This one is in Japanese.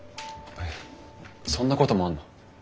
えっそんなこともあるの？